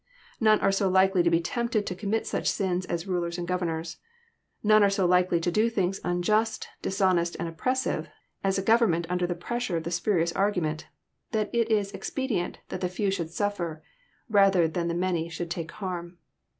None are so likely to be tempted to commit such Bins as rulers and governors. None are so likely to do things anjast, dishonest, and oppressive, as a Government under the pressure of the spurious argument that it is expedient that the few should suffer, rather than the many should take harm.